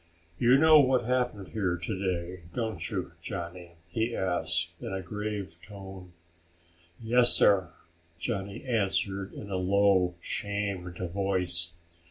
"You know what happened here today, don't you, Johnny?" he asked in a grave tone. "Yes, sir," Johnny answered in a low, shamed voice.